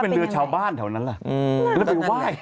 เป็นเรือชาวบ้านแถวนั้นล่ะแล้วไปไหว้